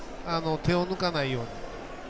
手を抜かないように。